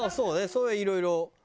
それはいろいろ。